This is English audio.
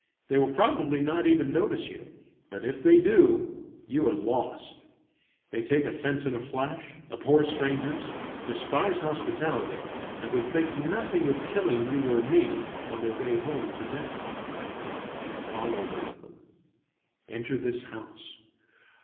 They will probably not even notice you; but if they do, you are lost. They take offense in a flash, abhor strangers, despise hospitality, and would think nothing of killing you or me on their way home to dinner. Follow one of them. Enter this house.